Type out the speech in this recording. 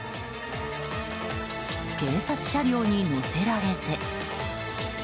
警察車両に乗せられて。